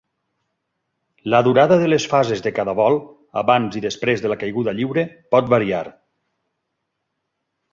La durada de les fases de cada vol abans i després de la caiguda lliure pot variar.